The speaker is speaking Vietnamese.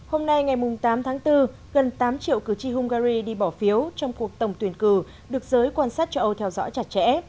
hôm nay ngày tám tháng bốn gần tám triệu cử tri hungary đi bỏ phiếu trong cuộc tổng tuyển cử được giới quan sát châu âu theo dõi chặt chẽ